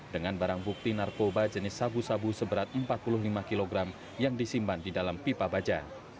dengan barang bukti narkoba jenis sabu sabu seberat empat puluh lima kg yang disimpan di dalam pipa baja